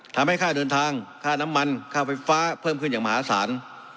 ค่าเดินทางค่าน้ำมันค่าไฟฟ้าเพิ่มขึ้นอย่างมหาศาล